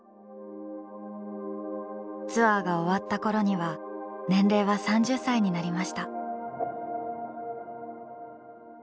ツアーが終わったころには年齢は３０歳になりました。